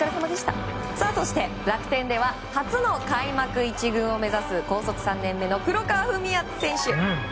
そして、楽天では初の開幕１軍を目指す高卒３年目の黒川史陽選手。